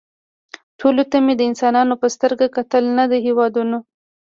ټولو ته مې د انسانانو په سترګه کتل نه د هېوادونو